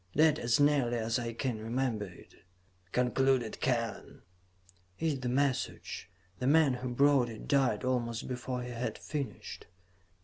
'""That, as nearly as I can remember it," concluded Kellen, "is the message. The man who brought it died almost before he had finished.